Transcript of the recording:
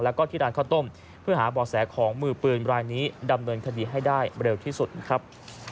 แล้วก็ที่ร้านข้าวต้มเพื่อหาบ่อแสของมือปืนรายนี้ดำเนินคดีให้ได้เร็วที่สุดนะครับ